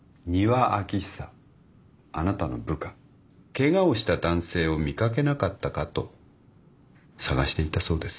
ケガをした男性を見掛けなかったかと捜していたそうです。